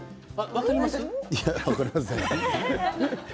分かりません。